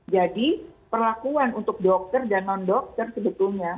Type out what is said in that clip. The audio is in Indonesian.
jadi perlakuan untuk dokter dan non dokter sebetulnya